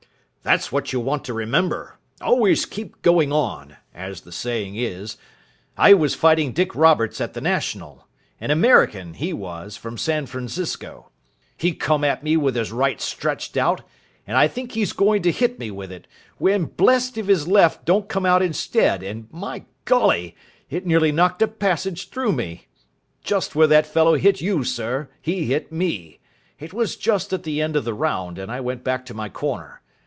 "That's what you want to remember. Always keep going on, as the saying is. I was fighting Dick Roberts at the National an American, he was, from San Francisco. He come at me with his right stretched out, and I think he's going to hit me with it, when blessed if his left don't come out instead, and, my Golly! it nearly knocked a passage through me. Just where that fellow hit you, sir, he hit me. It was just at the end of the round, and I went back to my corner.